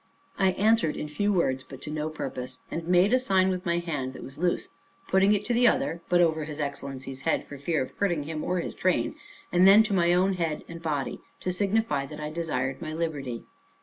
I answered in few words, but to no purpose, and made a sign with my hand that was loose, putting it to the other (but over his Excellency's head, for fear of hurting him or his train) and then to my own head and body, to signify that I desired my liberty.